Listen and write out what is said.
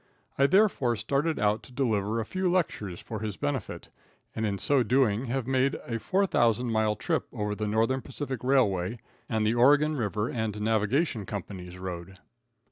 I therefore started out to deliver a few lectures for his benefit, and in so doing have made a 4,000 mile trip over the Northern Pacific railway, and the Oregon River and Navigation company's road.